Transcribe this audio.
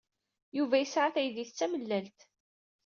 Yuba yesɛa taydit d tamellalt.